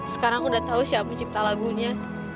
sekarang aku udah tau siapa pencipta lagunya